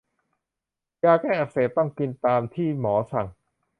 ยาแก้อักเสบต้องกินตามที่หมอสั่ง